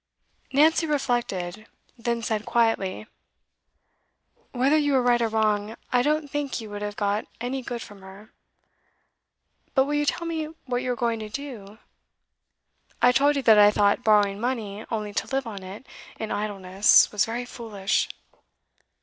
Nancy reflected, then said quietly: 'Whether you are right or wrong, I don't think you would have got any good from her. But will you tell me what you are going to do? I told you that I thought borrowing money only to live on it in idleness was very foolish.